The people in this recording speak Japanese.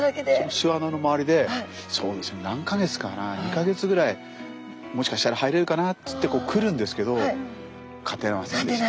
巣穴の周りでそうですね何か月かな２か月ぐらいもしかしたら入れるかなっつって来るんですけど勝てませんでしたね。